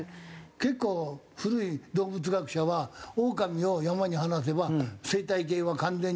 結構古い動物学者はオオカミを山に放せば生態系は完全になるって。